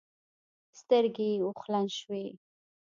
سترګې يې اوښلن شوې.